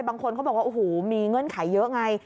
บางคนเขาบอกว่าโอ้โหมีเงื่อนไขเยอะไง